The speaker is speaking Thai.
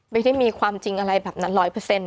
ไม่ได้มีความจริงอะไรแบบนั้น๑๐๐